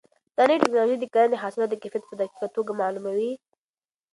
دا نوې ټیکنالوژي د کرنې د حاصلاتو کیفیت په دقیقه توګه معلوموي.